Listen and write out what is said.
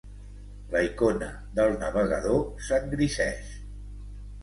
La icona del navegador s'engriseix.